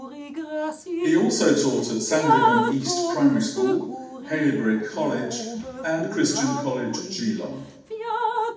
He also taught at Sandringham East primary school, Haileybury College and Christian College Geelong.